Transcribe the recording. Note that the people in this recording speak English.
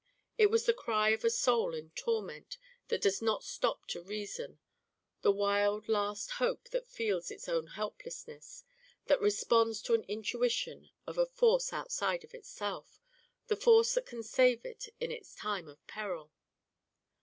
It was the cry of a soul in torment that does not stop to reason, the wild last hope that feels its own helplessness, that responds to an intuition of a force outside of itself the force that can save it in its time of peril.